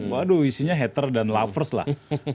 waduh isinya hater dan lovers lah